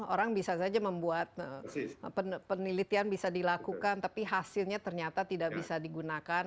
orang bisa saja membuat penelitian bisa dilakukan tapi hasilnya ternyata tidak bisa digunakan